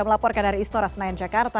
melaporkan dari istora senayan jakarta